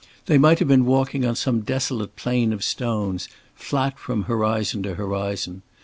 They might have been walking on some desolate plain of stones flat from horizon to horizon.